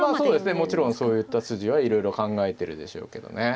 もちろんそういった筋はいろいろ考えてるでしょうけどねええ。